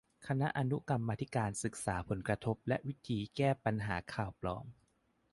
คณะอนุกรรมาธิการศึกษาผลกระทบและวิธีแก้ปัญหาข่าวปลอม